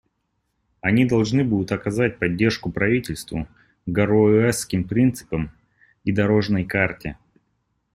Они должны будут оказать поддержку правительству, «Гароуэсским принципам» и «дорожной карте».